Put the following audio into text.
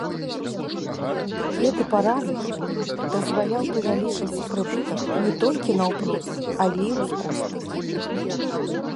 Гэты параметр дазваляў павялічыць прыбытак не толькі наўпрост, але і ўскосна.